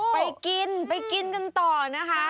ไปกินไปกินกันต่อนะคะ